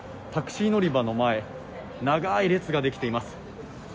タクシー乗り場の前長い列ができています。